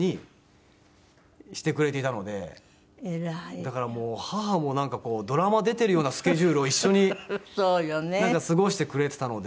だからもう母もなんかこうドラマ出てるようなスケジュールを一緒に過ごしてくれてたので。